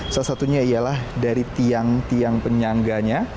salah satunya ialah dari tiang tiang penyangganya